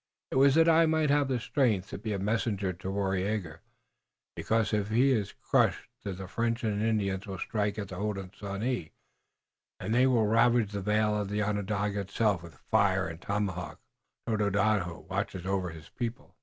It was that I might have the strength to be a messenger to Waraiyageh, because if he is crushed then the French and the Indians will strike at the Hodenosaunee, and they will ravage the Vale of Onondaga itself with fire and the tomahawk. Tododaho watches over his people."